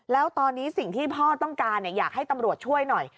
แล้วตอนนี้สิ่งที่พ่อต้องการอยากให้ตำรวจช่วยหน่อย